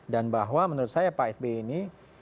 dan bahwa menurut saya pak sbi ini